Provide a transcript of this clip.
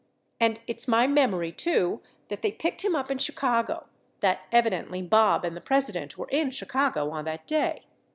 And it's my memory, too, that they picked him up in Chicago, that evidently Bob and the President were in Chicago on that day.